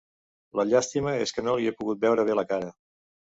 La llàstima és que no li he pogut veure bé la cara.